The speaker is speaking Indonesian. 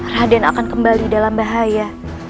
raden akan kembali dalam bahaya